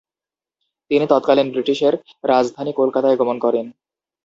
তিনি তৎকালীন ব্রিটিশের রাজধানী কলকাতায় গমন করেন।